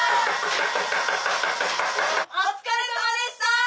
お疲れさまでした！